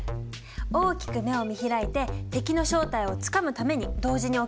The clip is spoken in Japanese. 大きく目を見開いて敵の正体をつかむために同時に起きる反応だよね。